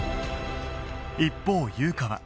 一方優香は